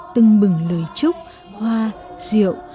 từng bừng lời chúc hoa rượu